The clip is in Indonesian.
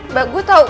mbak gue tau